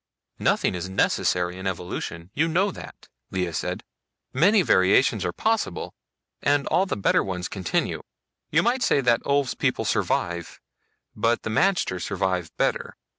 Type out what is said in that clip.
"Nothing is necessary in evolution, you know that," Lea said. "Many variations are possible, and all the better ones continue. You might say that Ulv's people survive, but the magter survive better.